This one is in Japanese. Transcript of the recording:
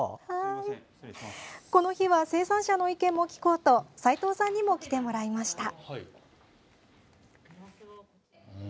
この日は生産者の意見も聞こうと齊藤さんにも来てもらいました。